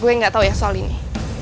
gue nggak tahu ya soal ini